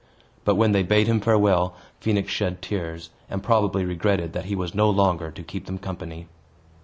But, when they bade him farewell, Phoenix shed tears, and probably regretted that he was no longer to keep them company.